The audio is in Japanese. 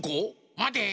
まて！